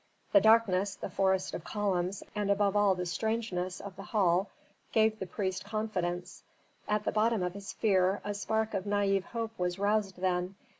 The darkness, the forest of columns, and above all the strangeness of the hall gave the priest confidence. At the bottom of his fear a spark of naive hope was roused then.